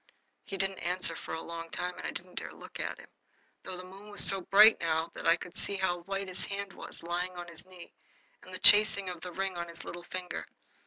He didn't answer for a long time, and I didn't dare look at him, though the moon was so bright now that I could see how white his hand was, lying on his knee, and the chasing of the ring on his little finger.